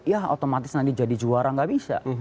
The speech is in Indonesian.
ya otomatis nanti jadi juara gak bisa